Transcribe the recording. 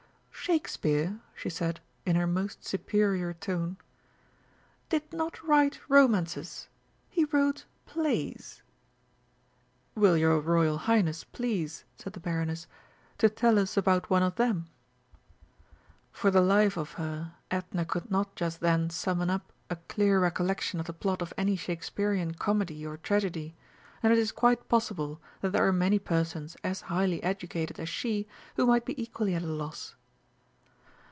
"Shakespeare," she said, in her most superior tone, "did not write romances. He wrote plays." "Will your Royal Highness please," said the Baroness, "to tell us about one of them?" For the life of her Edna could not just then summon up a clear recollection of the plot of any Shakespearian comedy or tragedy and it is quite possible that there are many persons as highly educated as she who might be equally at a loss.